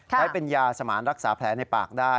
ใช้เป็นยาสมานรักษาแผลในปากได้